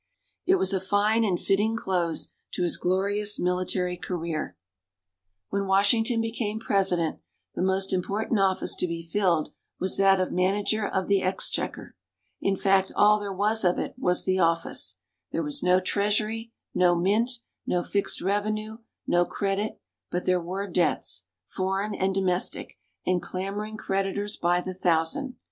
It was a fine and fitting close to his glorious military career. When Washington became President, the most important office to be filled was that of manager of the exchequer. In fact, all there was of it was the office there was no treasury, no mint, no fixed revenue, no credit; but there were debts foreign and domestic and clamoring creditors by the thousand.